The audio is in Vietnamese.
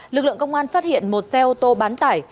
lực lượng công an phát hiện một xe ô tô bán tải